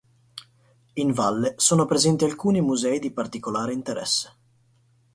In valle sono presenti alcuni musei di particolare interesse.